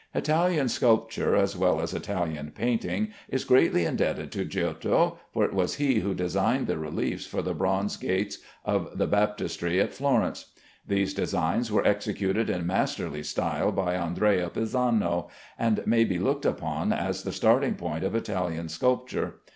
Italian sculpture, as well as Italian painting, is greatly indebted to Giotto, for it was he who designed the reliefs for the bronze gates of the baptistery at Florence. These designs were executed in masterly style by Andrea Pisano, and may be looked upon as the starting point of Italian sculpture.